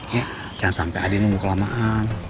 jangan sampe adi nunggu kelamaan